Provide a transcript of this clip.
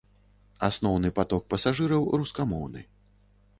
Асноўны паток пасажыраў рускамоўны.